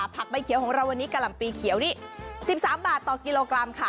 ใบเขียวของเราวันนี้กะหล่ำปีเขียวนี่๑๓บาทต่อกิโลกรัมค่ะ